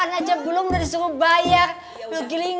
nyala memang sudah saya betulin